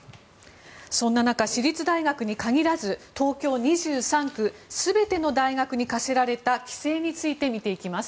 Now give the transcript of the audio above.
そんな中私立大学に限らず東京２３区全ての大学に課せられた規制について見ていきます。